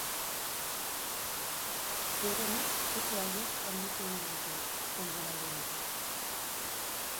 Ziurrenik zifra horiek handitu egingo ditu denboraldi honetan.